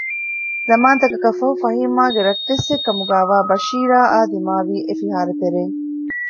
ޒަމާންތަކަކަށްފަހު ފަހީމާގެ ރައްޓެއްސެއް ކަމުގައިވާ ބަޝީރާއާ ދިމާވީ އެފިހާރަ ތެރެއިން